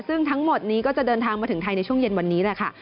ซึ่งทั้งหมดนี้ก็จะเดินทางมาถึงไทยในช่วงเย็นวันนี้แหละค่ะ